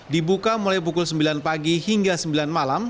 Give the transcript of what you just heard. dibuka mulai pukul sembilan pagi hingga sembilan malam